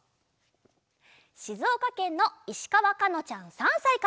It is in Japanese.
しずおかけんのいしかわかのちゃん３さいから。